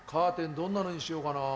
どんなのにしようかな。